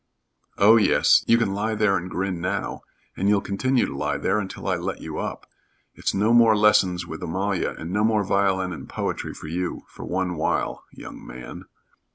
"Oh, yes. You can lie there and grin now. And you'll continue to lie there until I let you up. It's no more lessons with Amalia and no more violin and poetry for you, for one while, young man."